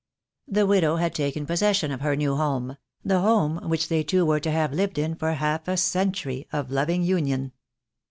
The widow had taken possession of her new home, the home which they two were to have lived in for half a century of loving union.